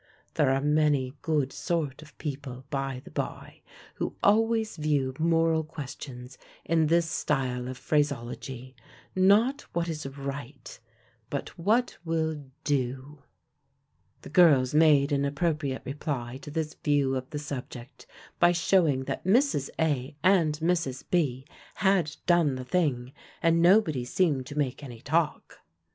There are many good sort of people, by the by, who always view moral questions in this style of phraseology not what is right, but what will "do." The girls made an appropriate reply to this view of the subject, by showing that Mrs. A. and Mrs. B. had done the thing, and nobody seemed to make any talk.